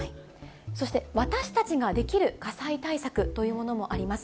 そして私たちができる火災対策というものもあります。